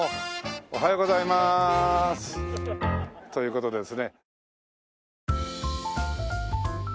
おはようございまーす！という事でですね。